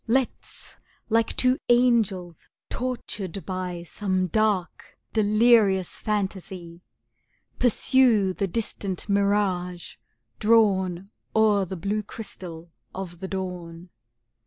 Let's, like two angels tortured by Some dark, delirious phantasy, Pursue the distant mirage drawn O'er the blue crystal of the dawn!